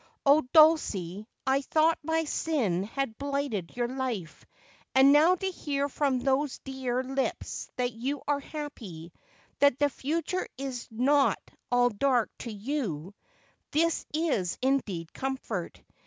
Oh, Dulcie, I thought my sin had blighted your life ; and now to hear from those dear lips that you are happy — that the future is not all dark to you, •— this is indeed comfort.